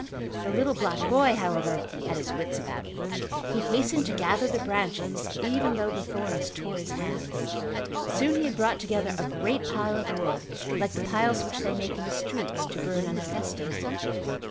The little black boy, however, had his wits about him. He hastened to gather the branches even though the thorns tore his hands. Soon he had brought together a great pile of wood like the piles which they make in the streets to burn on a festa night.